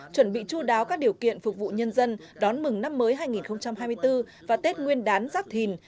chuẩn bị chú đáo các điều kiện phục vụ nhân dân đón mừng năm mới hai nghìn hai mươi bốn và tết nguyên đán giáp thìn